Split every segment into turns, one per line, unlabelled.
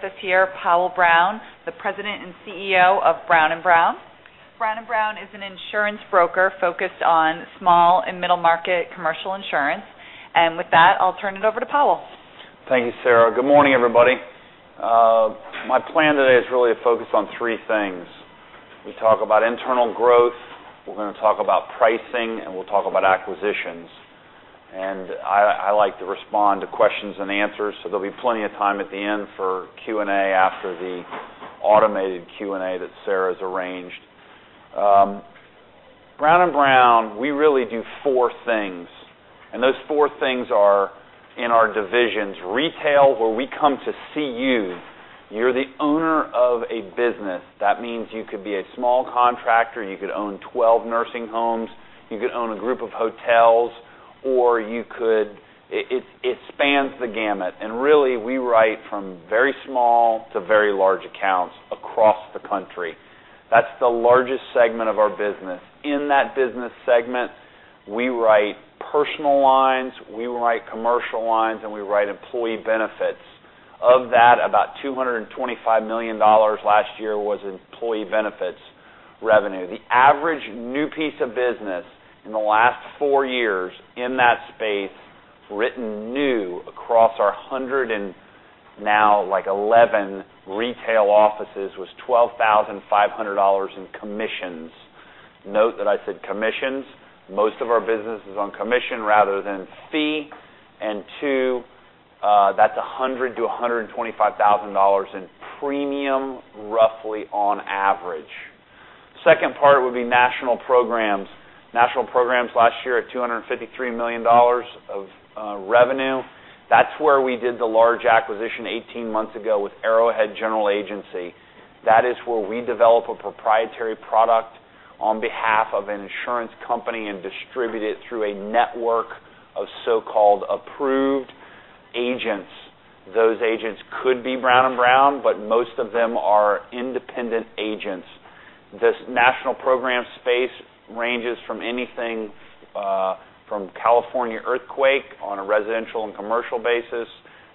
With us here, Powell Brown, the President and CEO of Brown & Brown. Brown & Brown is an insurance broker focused on small and middle-market commercial insurance. With that, I'll turn it over to Powell.
Thank you, Sarah. Good morning, everybody. My plan today is really to focus on three things. We'll talk about internal growth, we're going to talk about pricing, and we'll talk about acquisitions. I like to respond to questions and answers, so there'll be plenty of time at the end for Q&A after the automated Q&A that Sarah's arranged. Brown & Brown, we really do four things, and those four things are in our divisions. Retail, where we come to see you. You're the owner of a business. That means you could be a small contractor, you could own 12 nursing homes, you could own a group of hotels, or it spans the gamut. Really, we write from very small to very large accounts across the country. That's the largest segment of our business. In that business segment, we write personal lines, we write commercial lines, and we write employee benefits. Of that, about $225 million last year was employee benefits revenue. The average new piece of business in the last four years in that space, written new across our 111 retail offices, was $12,500 in commissions. Note that I said commissions. Most of our business is on commission rather than fee. Two, that's $100,000 to $125,000 in premium, roughly on average. Second part would be National Programs. National Programs last year at $253 million of revenue. That's where we did the large acquisition 18 months ago with Arrowhead General Agency. That is where we develop a proprietary product on behalf of an insurance company and distribute it through a network of so-called approved agents. Those agents could be Brown & Brown, but most of them are independent agents. This National Programs space ranges from anything from California earthquake on a residential and commercial basis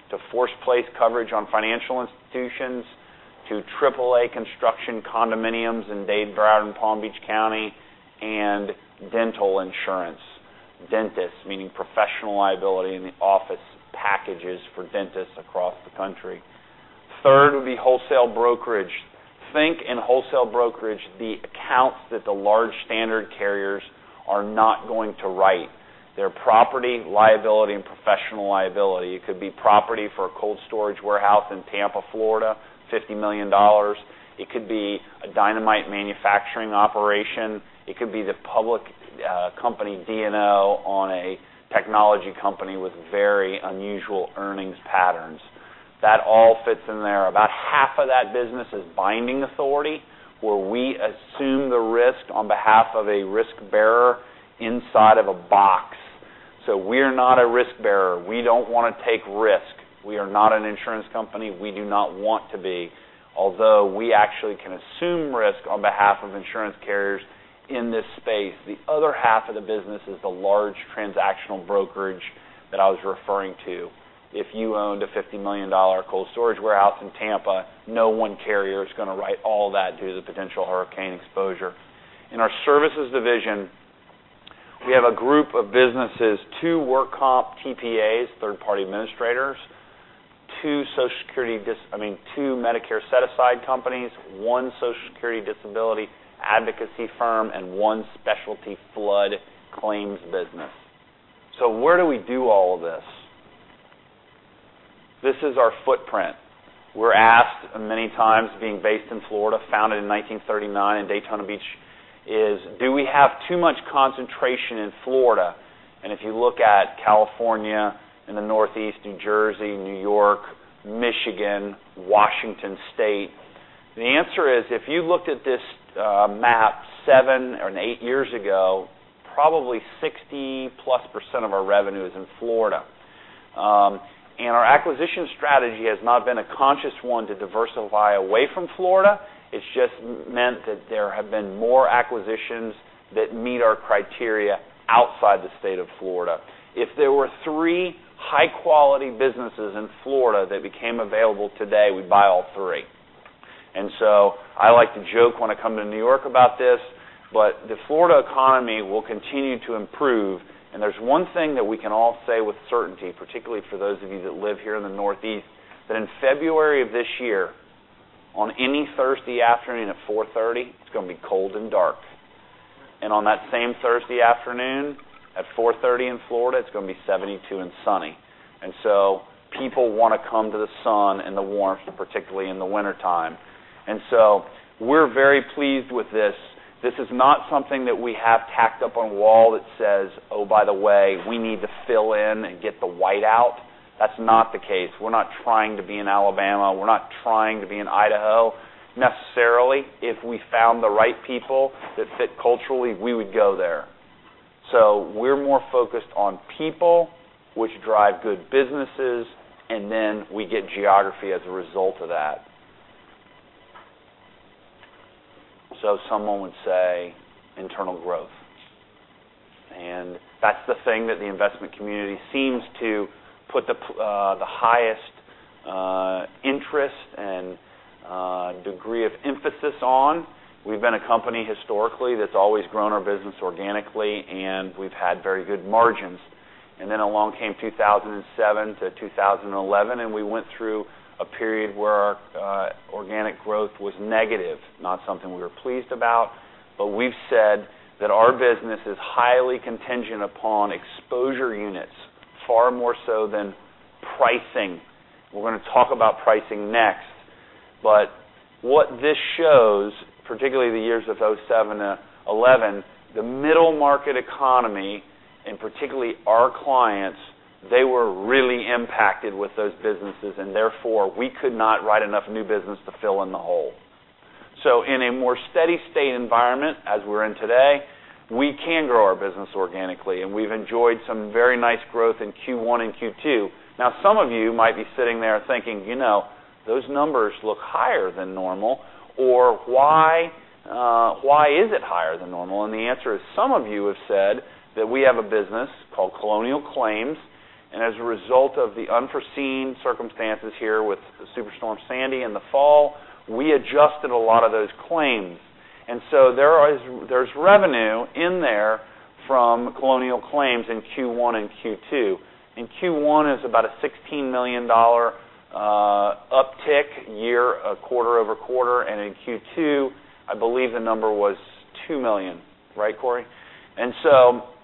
to force-placed coverage on financial institutions to AAA construction condominiums in Dade, Broward, and Palm Beach County and dental insurance. Dentists, meaning professional liability and office packages for dentists across the country. Third would be wholesale brokerage. Think in wholesale brokerage, the accounts that the large standard carriers are not going to write. They're property, liability, and professional liability. It could be property for a cold storage warehouse in Tampa, Florida, $50 million. It could be a dynamite manufacturing operation. It could be the public company D&O on a technology company with very unusual earnings patterns. That all fits in there. About half of that business is binding authority, where we assume the risk on behalf of a risk bearer inside of a box. We're not a risk bearer. We don't want to take risk. We are not an insurance company, we do not want to be. Although we actually can assume risk on behalf of insurance carriers in this space. The other half of the business is the large transactional brokerage that I was referring to. If you owned a $50 million cold storage warehouse in Tampa, no one carrier is going to write all that due to the potential hurricane exposure. In our services division, we have a group of businesses, two work comp TPAs, third-party administrators, two Medicare set-aside companies, one Social Security disability advocacy firm, and one specialty flood claims business. Where do we do all of this? This is our footprint. We're asked many times, being based in Florida, founded in 1939 in Daytona Beach, is do we have too much concentration in Florida? If you look at California, in the Northeast, New Jersey, New York, Michigan, Washington State, the answer is, if you looked at this map seven or eight years ago, probably 60-plus% of our revenue is in Florida. Our acquisition strategy has not been a conscious one to diversify away from Florida. It's just meant that there have been more acquisitions that meet our criteria outside the state of Florida. If there were three high-quality businesses in Florida that became available today, we'd buy all three. I like to joke when I come to New York about this, but the Florida economy will continue to improve, and there's one thing that we can all say with certainty, particularly for those of you that live here in the Northeast, that in February of this year, on any Thursday afternoon at 4:30 P.M., it's going to be cold and dark. On that same Thursday afternoon at 4:30 P.M. in Florida, it's going to be 72 and sunny. People want to come to the sun and the warmth, particularly in the wintertime. We're very pleased with this. This is not something that we have tacked up on a wall that says, "Oh, by the way, we need to fill in and get the white out." That's not the case. We're not trying to be in Alabama. We're not trying to be in Idaho, necessarily. If we found the right people that fit culturally, we would go there. We're more focused on people, which drive good businesses, and then we get geography as a result of that. Someone would say internal growth. That's the thing that the investment community seems to put the highest interest and degree of emphasis on. We've been a company historically that's always grown our business organically, and we've had very good margins. Along came 2007 to 2011, and we went through a period where our organic growth was negative, not something we were pleased about. We've said that our business is highly contingent upon exposure units, far more so than pricing. We're going to talk about pricing next. What this shows, particularly the years of 2007 to 2011, the middle market economy, and particularly our clients, they were really impacted with those businesses, and therefore, we could not write enough new business to fill in the hole. In a more steady state environment, as we are in today, we can grow our business organically, and we have enjoyed some very nice growth in Q1 and Q2. Some of you might be sitting there thinking, those numbers look higher than normal, or why is it higher than normal? The answer is, some of you have said that we have a business called Colonial Claims. As a result of the unforeseen circumstances here with the Superstorm Sandy in the fall, we adjusted a lot of those claims. There is revenue in there from Colonial Claims in Q1 and Q2. In Q1, it is about a $16 million uptick year, quarter-over-quarter. In Q2, I believe the number was $2 million. Right, Corey?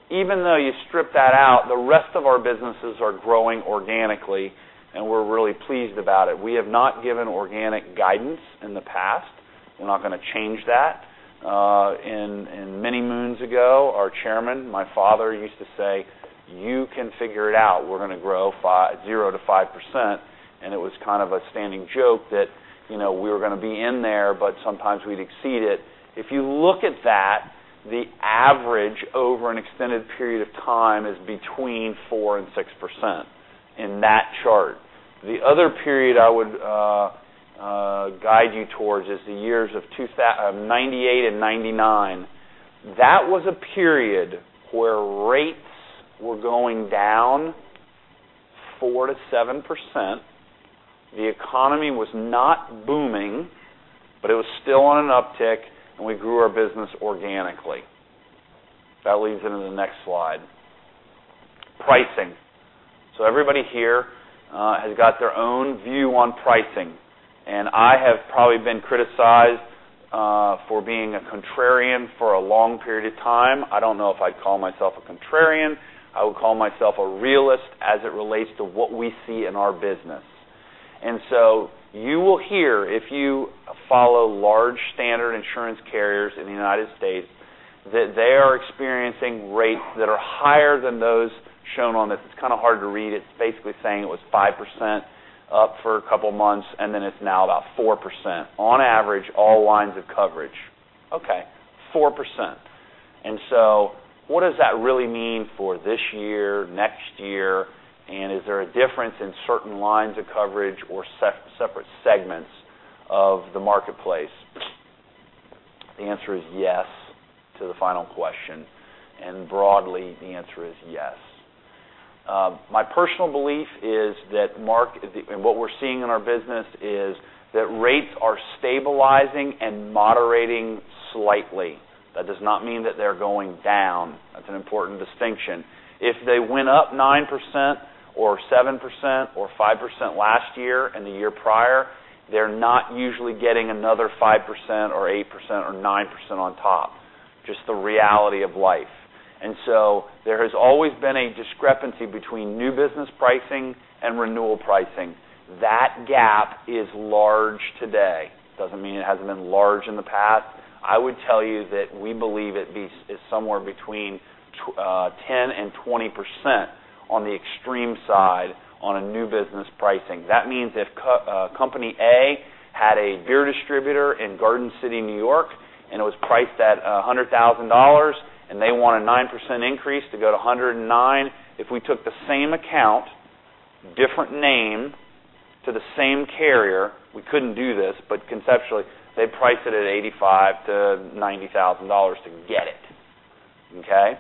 Even though you strip that out, the rest of our businesses are growing organically, and we are really pleased about it. We have not given organic guidance in the past. We are not going to change that. Many moons ago, our chairman, my father, used to say, "You can figure it out. We are going to grow 0%-5%." It was kind of a standing joke that we were going to be in there, but sometimes we would exceed it. If you look at that, the average over an extended period of time is between 4%-6% in that chart. The other period I would guide you towards is the years of 1998 and 1999. That was a period where rates were going down 4%-7%. The economy was not booming, but it was still on an uptick, and we grew our business organically. That leads into the next slide. Pricing. Everybody here has got their own view on pricing, and I have probably been criticized for being a contrarian for a long period of time. I do not know if I would call myself a contrarian. I would call myself a realist as it relates to what we see in our business. You will hear, if you follow large standard insurance carriers in the U.S., that they are experiencing rates that are higher than those shown on this. It is kind of hard to read. It is basically saying it was 5% up for a couple of months, then it is now about 4% on average, all lines of coverage. Okay, 4%. What does that really mean for this year, next year, and is there a difference in certain lines of coverage or separate segments of the marketplace? The answer is yes to the final question, broadly, the answer is yes. My personal belief is that what we are seeing in our business is that rates are stabilizing and moderating slightly. That does not mean that they are going down. That is an important distinction. If they went up 9% or 7% or 5% last year and the year prior, they are not usually getting another 5% or 8% or 9% on top, just the reality of life. There has always been a discrepancy between new business pricing and renewal pricing. That gap is large today. It does not mean it has not been large in the past. I would tell you that we believe it is somewhere between 10%-20% on the extreme side on a new business pricing. That means if Company A had a beer distributor in Garden City, N.Y., and it was priced at $100,000, and they want a 9% increase to go to $109,000. If we took the same account, different name to the same carrier, we couldn't do this, but conceptually, they'd price it at $85,000-$90,000 to get it. Okay?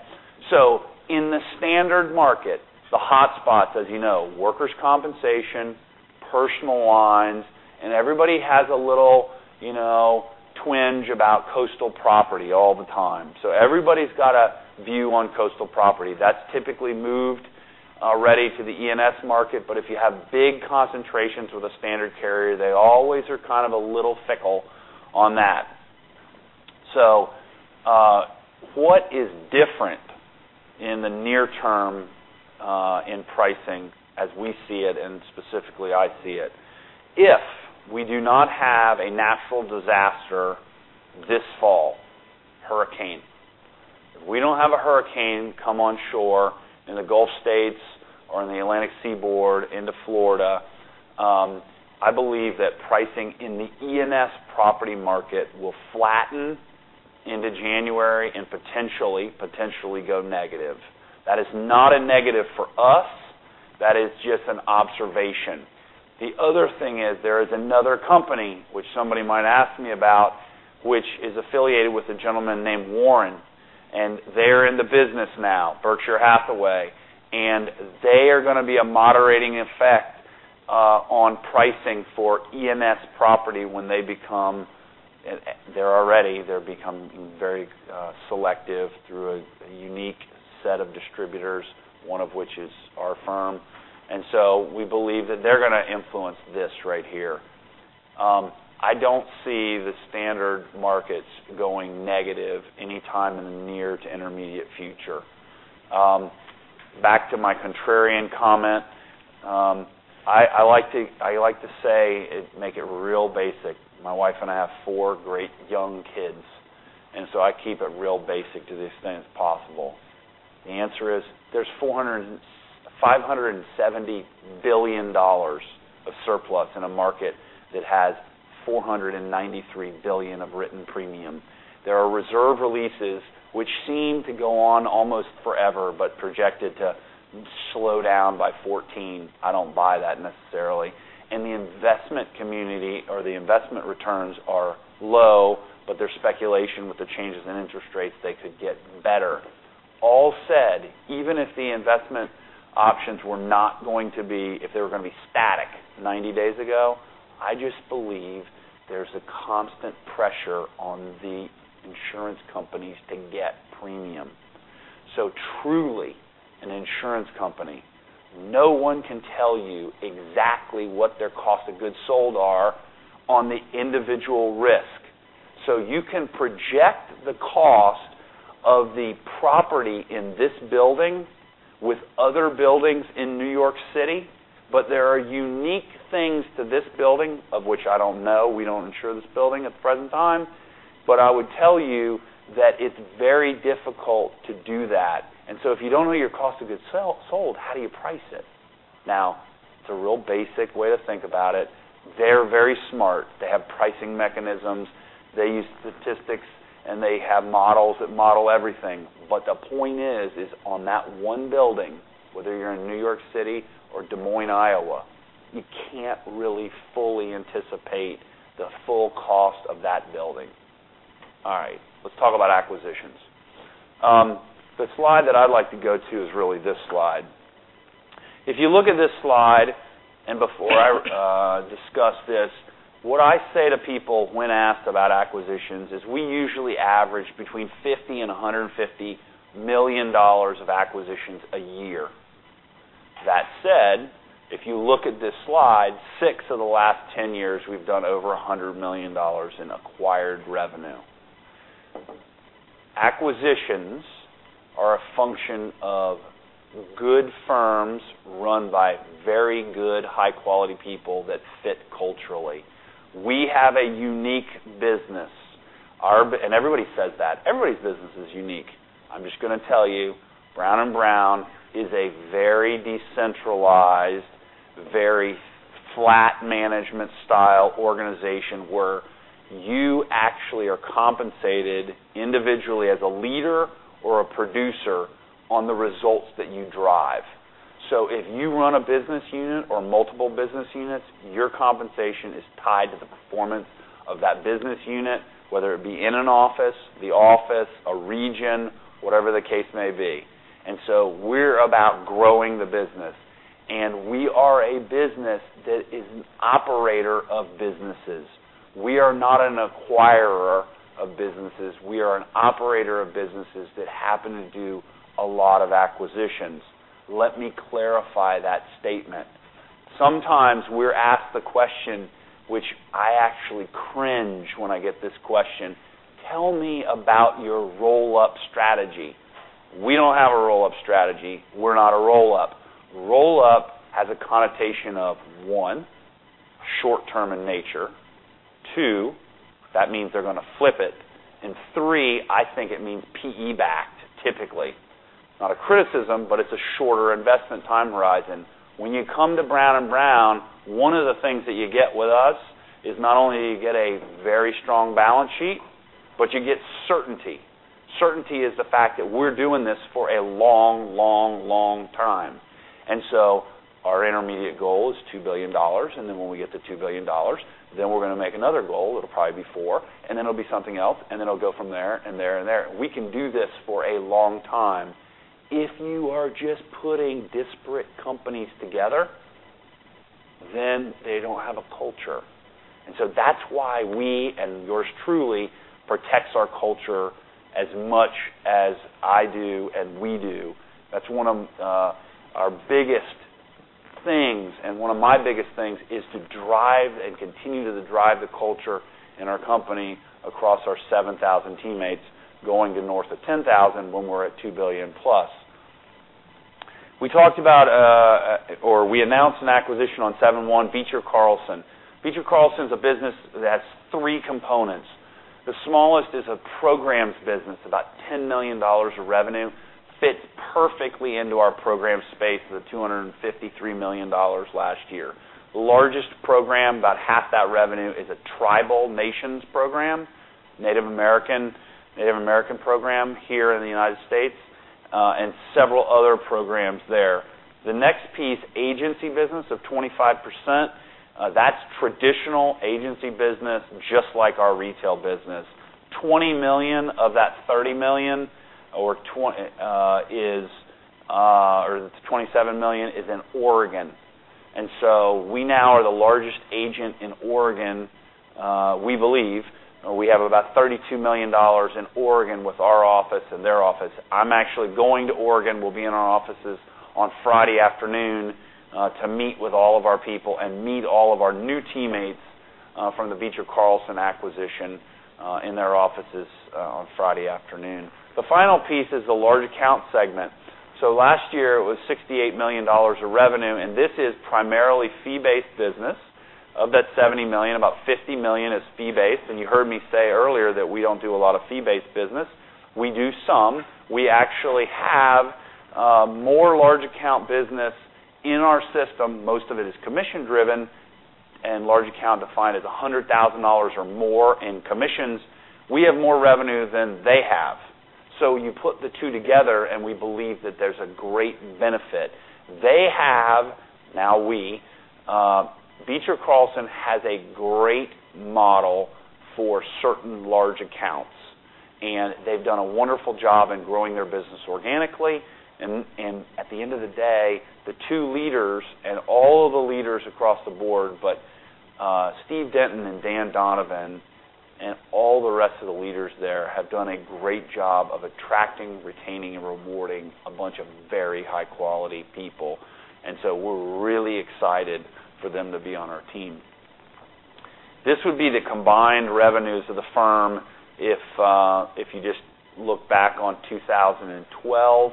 In the standard market, the hotspot, as you know, workers' compensation, personal lines, and everybody has a little twinge about coastal property all the time. Everybody's got a view on coastal property. That's typically moved already to the E&S market. But if you have big concentrations with a standard carrier, they always are kind of a little fickle on that. What is different in the near term in pricing as we see it, and specifically I see it? If we do not have a natural disaster this fall, hurricane. If we don't have a hurricane come onshore in the Gulf States or in the Atlantic seaboard into Florida, I believe that pricing in the E&S property market will flatten into January and potentially go negative. That is not a negative for us. That is just an observation. The other thing is there is another company which somebody might ask me about, which is affiliated with a gentleman named Warren, and they're in the business now, Berkshire Hathaway. And they are going to be a moderating effect on pricing for E&S property when they become. They're already, they're becoming very selective through a unique set of distributors, one of which is our firm. We believe that they're going to influence this right here. I don't see the standard markets going negative anytime in the near to intermediate future. Back to my contrarian comment. I like to say, make it real basic. My wife and I have four great young kids, and so I keep it real basic to the extent possible. The answer is, there's $570 billion of surplus in a market that has $493 billion of written premium. There are reserve releases which seem to go on almost forever, but projected to slow down by 14. I don't buy that necessarily. And the investment community, or the investment returns are low, but there's speculation with the changes in interest rates, they could get better. All said, even if the investment options were not going to be, if they were going to be static 90 days ago, I just believe there's a constant pressure on the insurance companies to get premium. Truly an insurance company, no one can tell you exactly what their cost of goods sold are on the individual risk. So you can project the cost of the property in this building with other buildings in New York City, but there are unique things to this building of which I don't know. We don't insure this building at the present time. But I would tell you that it's very difficult to do that. And so if you don't know your cost of goods sold, how do you price it? Now, it's a real basic way to think about it. They're very smart. They have pricing mechanisms. They use statistics, they have models that model everything. The point is, on that one building, whether you're in New York City or Des Moines, Iowa, you can't really fully anticipate the full cost of that building. All right. Let's talk about acquisitions. The slide that I'd like to go to is really this slide. If you look at this slide, before I discuss this, what I say to people when asked about acquisitions is we usually average between $50 million and $150 million of acquisitions a year. That said, if you look at this slide, six of the last 10 years, we've done over $100 million in acquired revenue. Acquisitions are a function of good firms run by very good, high-quality people that fit culturally. We have a unique business. Everybody says that. Everybody's business is unique. I'm just going to tell you, Brown & Brown is a very decentralized, very flat management style organization where you actually are compensated individually as a leader or a producer on the results that you drive. If you run a business unit or multiple business units, your compensation is tied to the performance of that business unit, whether it be in an office, the office, a region, whatever the case may be. We're about growing the business. We are a business that is an operator of businesses. We are not an acquirer of businesses. We are an operator of businesses that happen to do a lot of acquisitions. Let me clarify that statement. Sometimes we're asked the question, which I actually cringe when I get this question: Tell me about your roll-up strategy. We don't have a roll-up strategy. We're not a roll-up. Roll-up has a connotation of, one, short-term in nature, two, that means they're going to flip it, three, I think it means PE-backed, typically. Not a criticism, but it's a shorter investment time horizon. When you come to Brown & Brown, one of the things that you get with us is not only you get a very strong balance sheet, but you get certainty. Certainty is the fact that we're doing this for a long, long, long time. Our intermediate goal is $2 billion. When we get to $2 billion, then we're going to make another goal. It'll probably be four, then it'll be something else, then it'll go from there and there and there. We can do this for a long time. If you are just putting disparate companies together, then they don't have a culture. That's why we, and yours truly, protects our culture as much as I do and we do. That's one of our biggest things and one of my biggest things is to drive and continue to drive the culture in our company across our 7,000 teammates, going to north of 10,000 when we're at $2 billion plus. We talked about, or we announced an acquisition on 7/1, Beecher Carlson. Beecher Carlson is a business that's three components. The smallest is a programs business, about $10 million of revenue, fits perfectly into our program space with $253 million last year. The largest program, about half that revenue, is a Tribal Nations program Native American Program here in the U.S., and several other programs there. The next piece, agency business of 25%, that's traditional agency business, just like our retail business. $20 million of that $30 million, or the $27 million is in Oregon. We now are the largest agent in Oregon, we believe. We have about $32 million in Oregon with our office and their office. I'm actually going to Oregon. We'll be in our offices on Friday afternoon to meet with all of our people and meet all of our new teammates from the Beecher Carlson acquisition in their offices on Friday afternoon. The final piece is the large account segment. Last year it was $68 million of revenue, and this is primarily fee-based business. Of that $70 million, about $50 million is fee-based, and you heard me say earlier that we don't do a lot of fee-based business. We do some. We actually have more large account business in our system. Most of it is commission-driven and large account defined as $100,000 or more in commissions. We have more revenue than they have. You put the two together, and we believe that there's a great benefit. They have, now we, Beecher Carlson has a great model for certain large accounts, and they've done a wonderful job in growing their business organically. At the end of the day, the two leaders and all of the leaders across the board, but Steve Denton and Dan Donovan, and all the rest of the leaders there have done a great job of attracting, retaining, and rewarding a bunch of very high-quality people. We're really excited for them to be on our team. This would be the combined revenues of the firm if you just look back on 2012.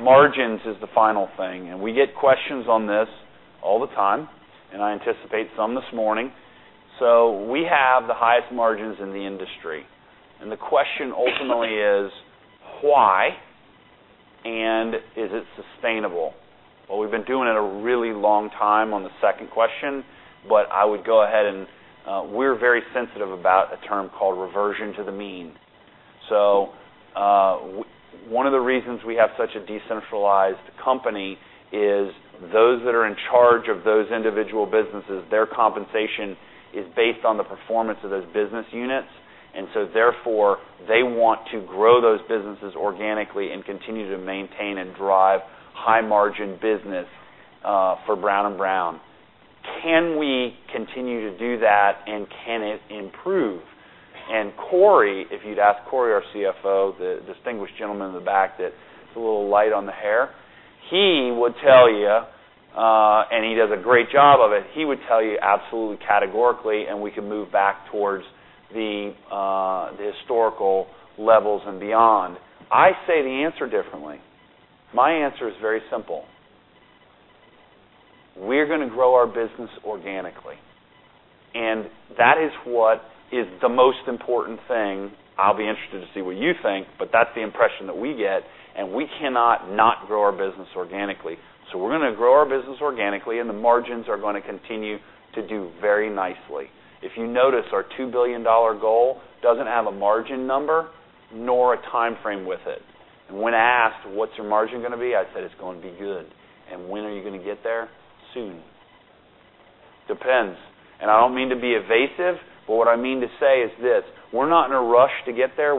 Margins is the final thing, we get questions on this all the time, and I anticipate some this morning. We have the highest margins in the industry. The question ultimately is, why? Is it sustainable? We've been doing it a really long time on the second question, but I would go ahead, and we're very sensitive about a term called reversion to the mean. One of the reasons we have such a decentralized company is those that are in charge of those individual businesses, their compensation is based on the performance of those business units, and so therefore, they want to grow those businesses organically and continue to maintain and drive high-margin business for Brown & Brown. Can we continue to do that, and can it improve? Corey, if you'd ask Corey, our CFO, the distinguished gentleman in the back that's a little light on the hair, he would tell you, and he does a great job of it. He would tell you absolutely categorically, and we could move back towards the historical levels and beyond. I say the answer differently. My answer is very simple. We're going to grow our business organically, and that is what is the most important thing. I'll be interested to see what you think, but that's the impression that we get, and we cannot not grow our business organically. We're going to grow our business organically, and the margins are going to continue to do very nicely. If you notice, our $2 billion goal doesn't have a margin number nor a time frame with it. When asked, "What's your margin going to be?" I said, "It's going to be good." "When are you going to get there?" Soon. Depends, I don't mean to be evasive, but what I mean to say is this: We're not in a rush to get there.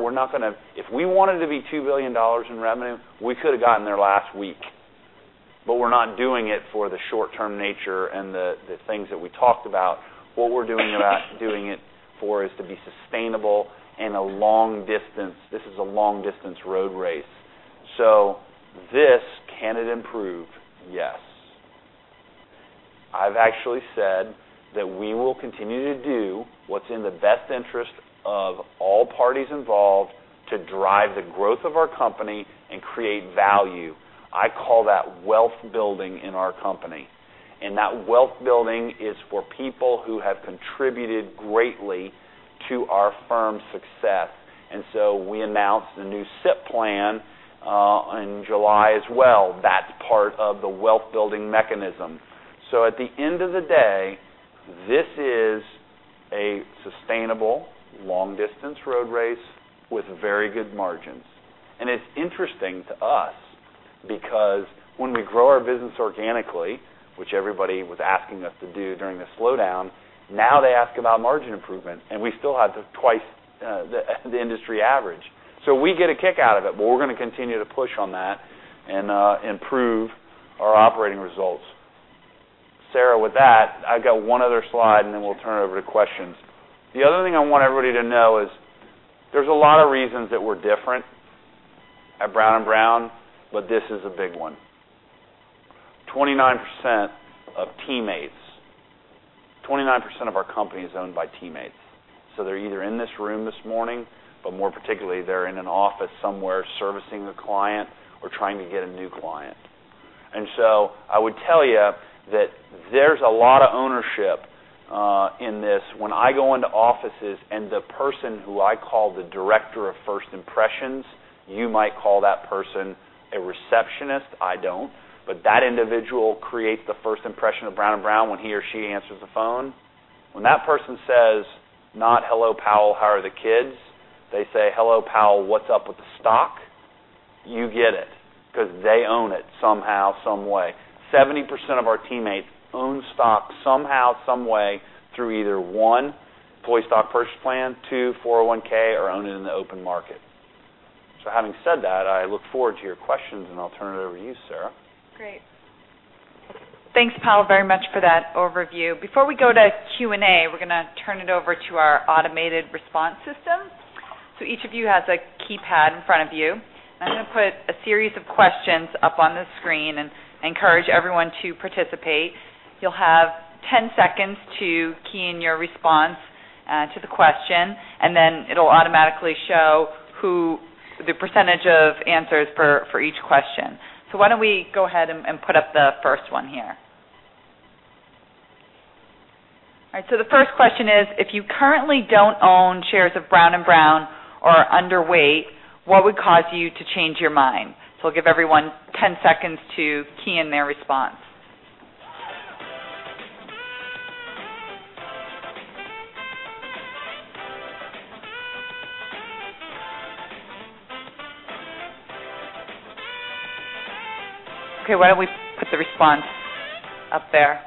If we wanted to be $2 billion in revenue, we could've gotten there last week, but we're not doing it for the short-term nature and the things that we talked about. What we're doing it for is to be sustainable in a long distance. This is a long-distance road race. This, can it improve? Yes. I've actually said that we will continue to do what's in the best interest of all parties involved to drive the growth of our company and create value. I call that wealth building in our company, that wealth building is for people who have contributed greatly to our firm's success. We announced a new SIP plan in July as well. That's part of the wealth-building mechanism. At the end of the day, this is a sustainable long-distance road race with very good margins. It's interesting to us because when we grow our business organically, which everybody was asking us to do during the slowdown, now they ask about margin improvement, and we still have the twice the industry average. We get a kick out of it, but we're going to continue to push on that and improve our operating results. Sarah, with that, I've got one other slide, then we'll turn it over to questions. The other thing I want everybody to know is there's a lot of reasons that we're different at Brown & Brown, but this is a big one. 29% of teammates. 29% of our company is owned by teammates. They're either in this room this morning, but more particularly, they're in an office somewhere servicing a client or trying to get a new client. I would tell you that there's a lot of ownership in this. When I go into offices and the person who I call the director of first impressions. You might call that person a receptionist. I don't. That individual creates the first impression of Brown & Brown when he or she answers the phone. When that person says not, "Hello, Powell, how are the kids?" They say, "Hello, Powell, what's up with the stock?" You get it, because they own it somehow, some way. 70% of our teammates own stock somehow, some way, through either, one, employee stock purchase plan, two, 401(k), or own it in the open market. Having said that, I look forward to your questions, I'll turn it over to you, Sarah.
Great. Thanks, Powell, very much for that overview. Before we go to Q&A, we're going to turn it over to our automated response system. Each of you has a keypad in front of you. I'm going to put a series of questions up on the screen and encourage everyone to participate. You'll have 10 seconds to key in your response to the question, and it'll automatically show the percentage of answers for each question. Why don't we go ahead and put up the first one here? The first question is, if you currently don't own shares of Brown & Brown or are underweight, what would cause you to change your mind? We'll give everyone 10 seconds to key in their response. Okay, why don't we put the response up there?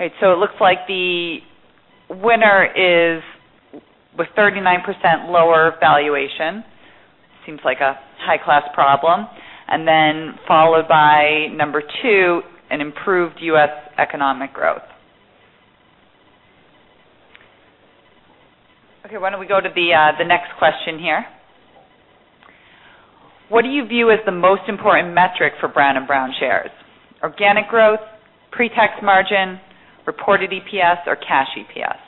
It looks like the winner is with 39% lower valuation. Seems like a high-class problem. Followed by number 2, an improved U.S. economic growth. Okay, why don't we go to the next question here. What do you view as the most important metric for Brown & Brown shares? Organic growth, pre-tax margin, reported EPS, or cash EPS?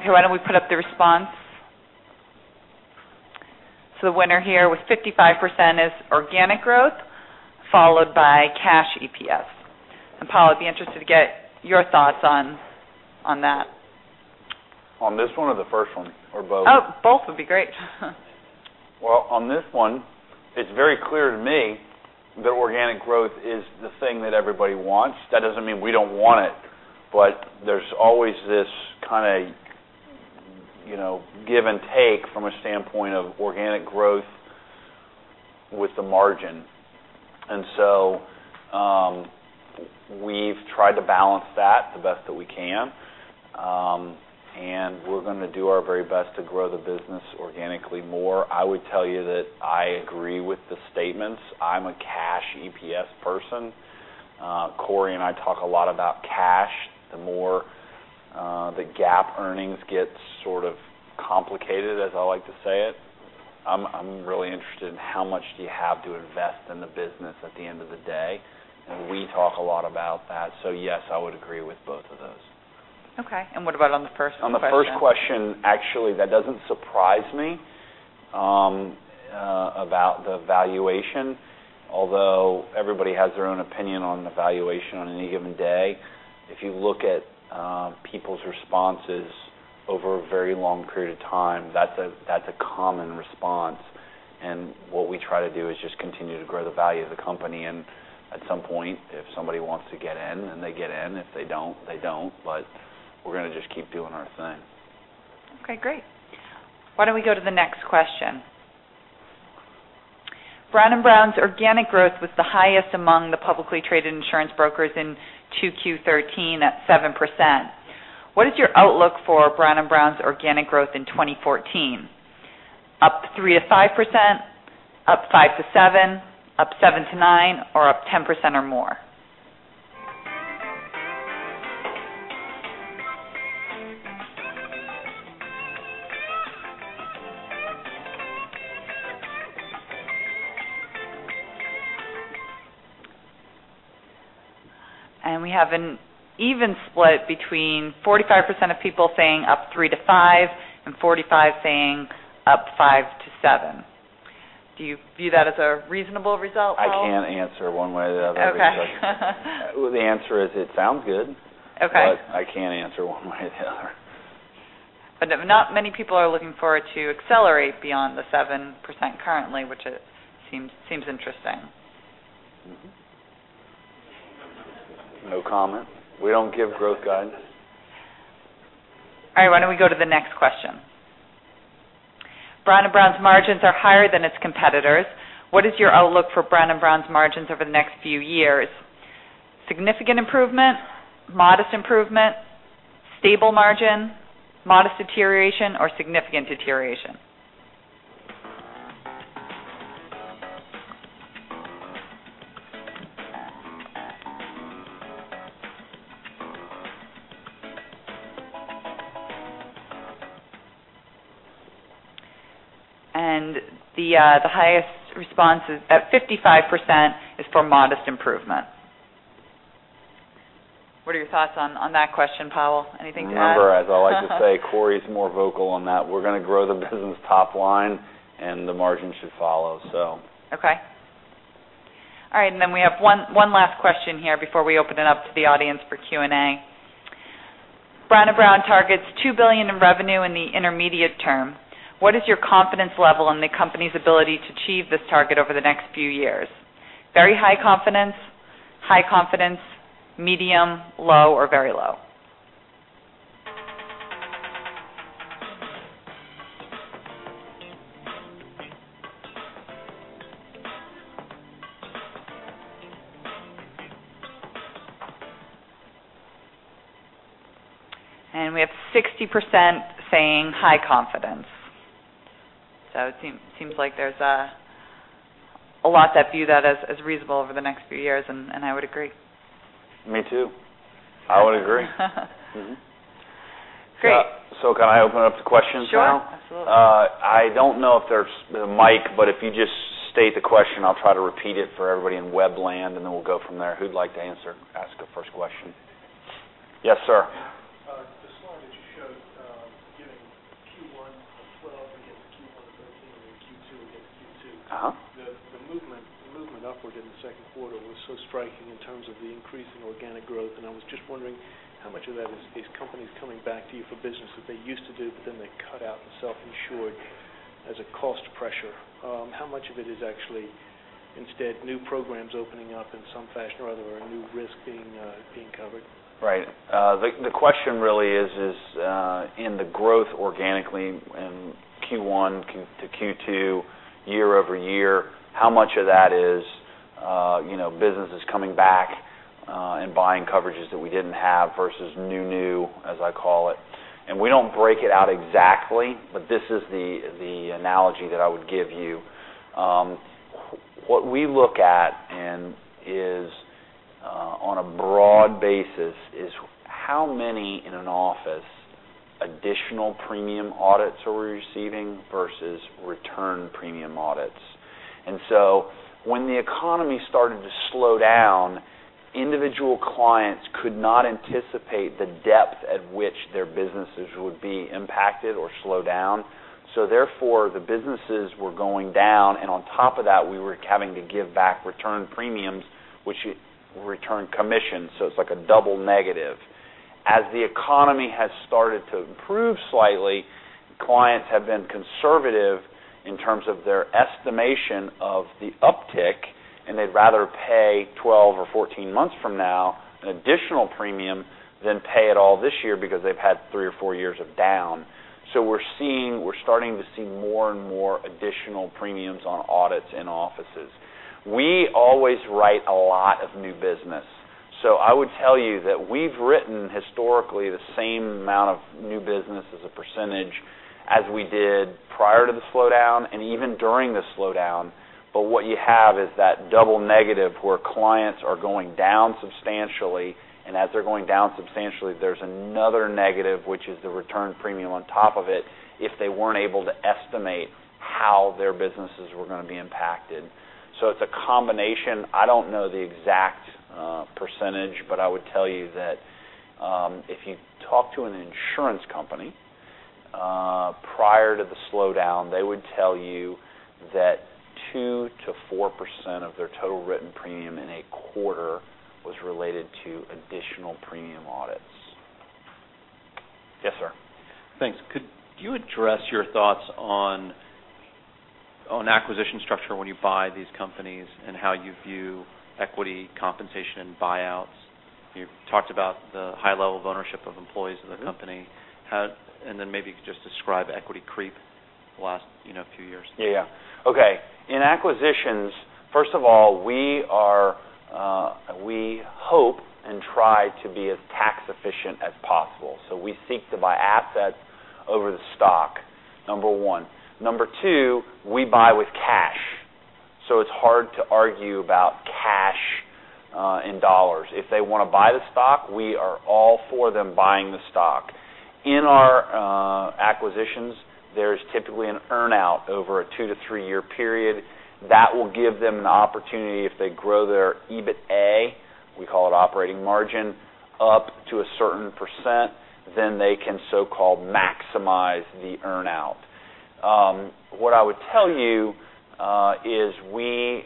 Okay, why don't we put up the response? The winner here with 55% is organic growth, followed by cash EPS. Powell, I'd be interested to get your thoughts on that.
On this one or the first one, or both?
Oh, both would be great.
Well, on this one, it's very clear to me that organic growth is the thing that everybody wants. That doesn't mean we don't want it, but there's always this kind of give and take from a standpoint of organic growth with the margin. We've tried to balance that the best that we can. We're going to do our very best to grow the business organically more. I would tell you that I agree with the statements. I'm a cash EPS person. Corey and I talk a lot about cash. The more the GAAP earnings get sort of complicated, as I like to say it, I'm really interested in how much do you have to invest in the business at the end of the day, and we talk a lot about that. Yes, I would agree with both of those.
Okay. What about on the first question?
On the first question, actually, that doesn't surprise me, about the valuation. Although everybody has their own opinion on the valuation on any given day. If you look at people's responses over a very long period of time, that's a common response. What we try to do is just continue to grow the value of the company, and at some point, if somebody wants to get in, then they get in. If they don't, they don't. We're going to just keep doing our thing.
Okay, great. Why don't we go to the next question? Brown & Brown's organic growth was the highest among the publicly traded insurance brokers in 2Q13 at 7%. What is your outlook for Brown & Brown's organic growth in 2014? Up 3%-5%, up 5%-7%, up 7%-9%, or up 10% or more. We have an even split between 45% of people saying up 3%-5%, and 45% saying up 5%-7%. Do you view that as a reasonable result, Powell?
I can't answer one way or the other.
Okay.
Well, the answer is it sounds good.
Okay.
I can't answer one way or the other.
Not many people are looking forward to accelerate beyond the 7% currently, which seems interesting.
No comment. We don't give growth guidance.
Why don't we go to the next question? Brown & Brown's margins are higher than its competitors. What is your outlook for Brown & Brown's margins over the next few years? Significant improvement, modest improvement, stable margin, modest deterioration, or significant deterioration? The highest response is at 55%, is for modest improvement. Your thoughts on that question, Powell. Anything to add?
Remember, as I like to say, Corey's more vocal on that. We're going to grow the business top line, the margin should follow.
Okay. All right. We have one last question here before we open it up to the audience for Q&A. Brown & Brown targets $2 billion in revenue in the intermediate term. What is your confidence level in the company's ability to achieve this target over the next few years? Very high confidence, high confidence, medium, low, or very low? We have 60% saying high confidence. It seems like there's a lot that view that as reasonable over the next few years, and I would agree.
Me too. I would agree.
Great.
Can I open up to questions now?
Sure. Absolutely.
I don't know if there's a mic, but if you just state the question, I'll try to repeat it for everybody in web land, and then we'll go from there. Who'd like to ask the first question? Yes, sir.
The slide that you showed, giving Q1 of 2012 against Q1 of 2013, then Q2 against Q2. The movement upward in the second quarter was so striking in terms of the increase in organic growth, I was just wondering how much of that is companies coming back to you for business that they used to do, they cut out and self-insured as a cost pressure? How much of it is actually instead new programs opening up in some fashion or other, or new risk being covered?
Right. The question really is, in the growth organically in Q1 to Q2 year-over-year, how much of that is businesses coming back and buying coverages that we didn't have versus new-new, as I call it? We don't break it out exactly, but this is the analogy that I would give you. What we look at on a broad basis is how many in an office additional premium audits are we receiving versus return premium audits. When the economy started to slow down, individual clients could not anticipate the depth at which their businesses would be impacted or slow down. Therefore, the businesses were going down, and on top of that, we were having to give back return premiums, which return commissions, so it's like a double negative. As the economy has started to improve slightly, clients have been conservative in terms of their estimation of the uptick, and they'd rather pay 12 or 14 months from now an additional premium than pay it all this year because they've had three or four years of down. We're starting to see more and more additional premiums on audits in offices. We always write a lot of new business. I would tell you that we've written historically the same amount of new business as a percentage as we did prior to the slowdown and even during the slowdown. What you have is that double negative where clients are going down substantially, and as they're going down substantially, there's another negative, which is the return premium on top of it if they weren't able to estimate how their businesses were going to be impacted. It's a combination. I don't know the exact percentage, but I would tell you that if you talk to an insurance company prior to the slowdown, they would tell you that 2%-4% of their total written premium in a quarter was related to additional premium audits. Yes, sir.
Thanks. Could you address your thoughts on acquisition structure when you buy these companies and how you view equity compensation and buyouts? You've talked about the high level of ownership of employees of the company. Maybe you could just describe equity creep the last few years.
Yeah. Okay. In acquisitions, first of all, we hope and try to be as tax efficient as possible. We seek to buy assets over the stock, number one. Number two, we buy with cash. It's hard to argue about cash in USD. If they want to buy the stock, we are all for them buying the stock. In our acquisitions, there's typically an earn-out over a two to three-year period. That will give them an opportunity if they grow their EBITDA, we call it operating margin, up to a certain %, then they can so-called maximize the earn-out. What I would tell you is we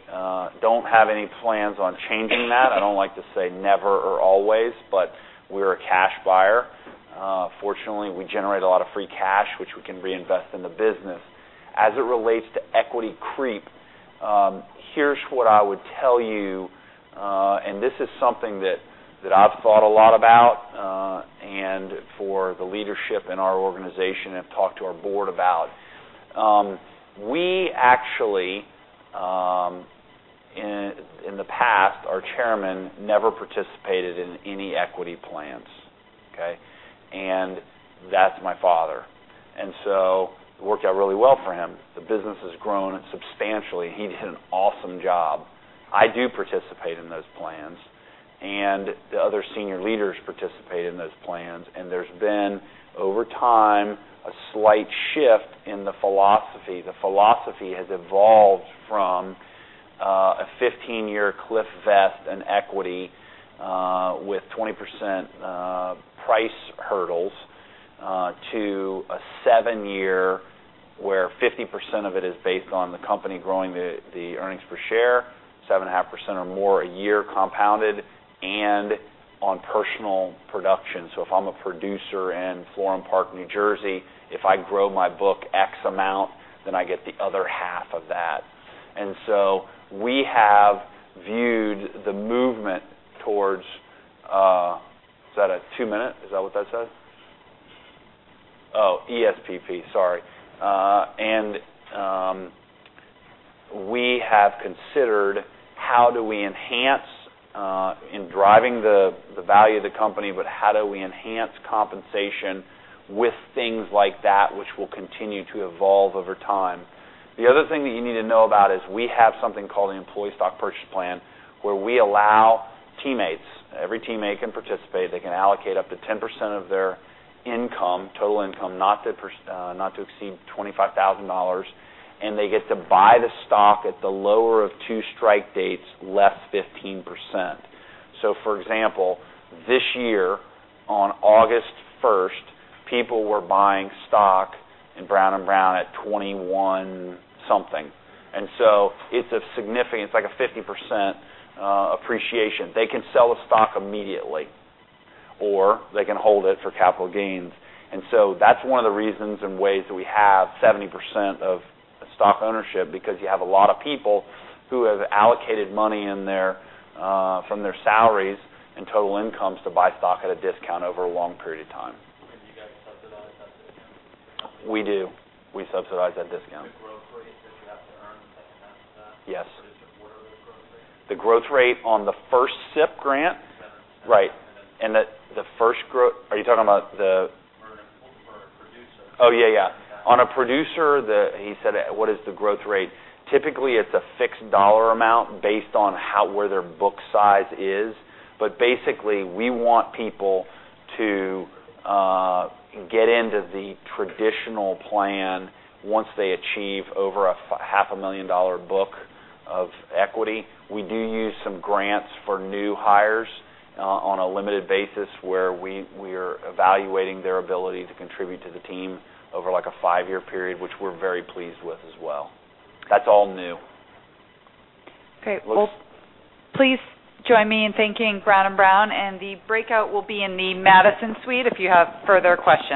don't have any plans on changing that. I don't like to say never or always, we're a cash buyer. Fortunately, we generate a lot of free cash, which we can reinvest in the business. As it relates to equity creep, here's what I would tell you, and this is something that I've thought a lot about, and for the leadership in our organization have talked to our board about. We actually, in the past, our chairman never participated in any equity plans, okay. That's my father. It worked out really well for him. The business has grown substantially. He did an awesome job. I do participate in those plans, and the other senior leaders participate in those plans. There's been, over time, a slight shift in the philosophy. The philosophy has evolved from a 15-year cliff vest in equity with 20% price hurdles to a seven-year, where 50% of it is based on the company growing the earnings per share, 7.5% or more a year compounded, and on personal production. If I'm a producer in Florham Park, New Jersey, if I grow my book X amount, then I get the other half of that. We have viewed the movement towards. Is that a two-minute? Is that what that says? Oh, ESPP, sorry. We have considered how do we enhance in driving the value of the company, but how do we enhance compensation with things like that which will continue to evolve over time. The other thing that you need to know about is we have something called an employee stock purchase plan, where we allow teammates. Every teammate can participate. They can allocate up to 10% of their income, total income, not to exceed $25,000. They get to buy the stock at the lower of two strike dates, less 15%. For example, this year, on August 1st, people were buying stock in Brown & Brown at 21-something. It's a significant. It's like a 50% appreciation. They can sell the stock immediately, or they can hold it for capital gains. That's one of the reasons and ways that we have 70% of stock ownership, because you have a lot of people who have allocated money from their salaries and total incomes to buy stock at a discount over a long period of time.
Do you guys subsidize that discount?
We do. We subsidize that discount.
The growth rate that you have to earn to take advantage of that
Yes.
What is the quarterly growth rate?
The growth rate on the first SIP grant?
Yeah.
Right. Are you talking about?
For a producer.
Oh, yeah. On a producer, he said, what is the growth rate? Typically, it's a fixed dollar amount based on where their book size is. Basically, we want people to get into the traditional plan once they achieve over a half a million dollar book of equity. We do use some grants for new hires on a limited basis where we are evaluating their ability to contribute to the team over a five-year period, which we're very pleased with as well. That's all new.
Great. Well, please join me in thanking Brown & Brown, and the breakout will be in the Madison Suite if you have further questions.